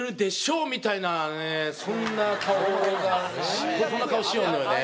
そんな顔がそんな顔しよるのよね。